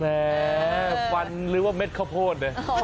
แม่ฟันหรือว่าเม็ดข้าวโพด